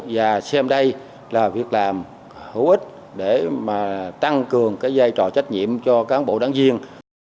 và xem đây là việc làm hữu ích để tăng cường giai trò trách nhiệm cho cán bộ đảng viên